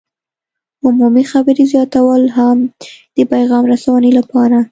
عمومي خبرې زیاتول هم د پیغام رسونې لپاره